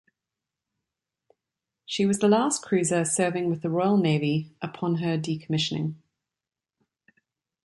She was the last cruiser serving with the Royal Navy upon her decommissioning.